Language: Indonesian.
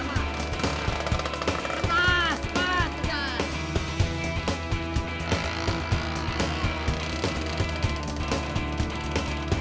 masih untung yang habis bensinnya